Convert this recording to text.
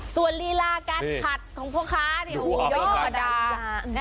ส่วนลีลาการผัดของพวกค้าเนี่ยโอ้โหยอมกระดาษ